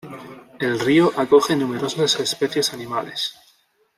El río acoge numerosas especies animales.